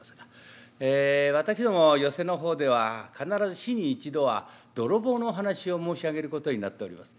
え私ども寄席の方では必ず日に一度は泥棒の噺を申し上げることになっております。